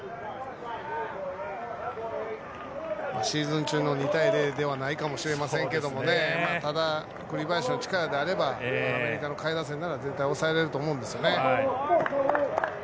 シーズン中の２対０ではないかもしれませんけど、栗林の力であればアメリカの下位打線なら絶対に抑えられると思うんですよね。